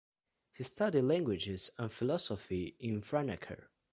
He studied languages and philosophy in Franeker.